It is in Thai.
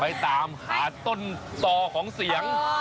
ไปตามหาต้นต่อของเสียง